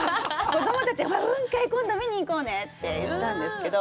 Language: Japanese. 子供たちは、ほら雲海、今度見に行こうねって言ったんですけど。